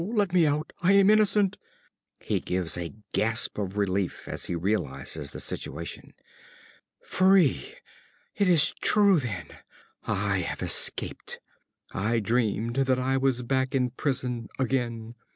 Let me out I am innocent! (He gives a gasp of relief as he realises the situation.) Free! It is true, then! I have escaped! I dreamed that I was back in prison again!